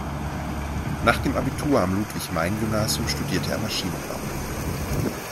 Nach dem Abitur am Ludwig-Meyn-Gymnasium studierte er Maschinenbau.